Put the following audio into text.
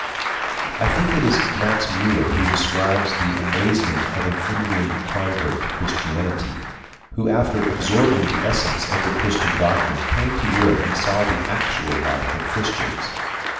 I think it is Max Müller who describes the amazement of an Indian convert to Christianity, who after absorbing the essence of the Christian doctrine came to Europe and saw the actual life of Christians.